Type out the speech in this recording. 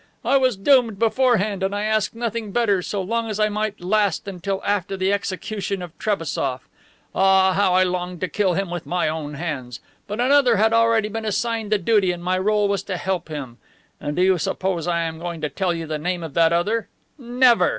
I was doomed beforehand and I asked nothing better, so long as I might last until after the execution of Trebassof. Ah, how I longed to kill him with my own hands! But another had already been assigned the duty and my role was to help him. And do you suppose I am going to tell you the name of that other? Never!